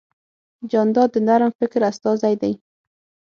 جانداد د نرم فکر استازی دی.